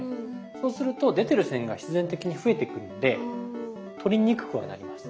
そうすると出てる線が必然的に増えてくるので取りにくくはなります。